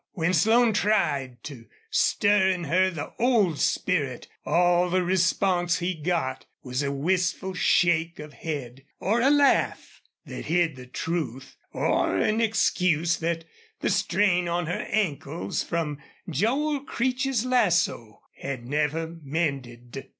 When Slone tried to stir in her the old spirit all the response he got was a wistful shake of head or a laugh that hid the truth or an excuse that the strain on her ankles from Joel Creech's lasso had never mended.